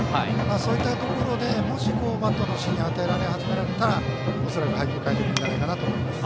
そういったところでもし、バットの芯に当てられ始めたら恐らく配球を変えてくると思います。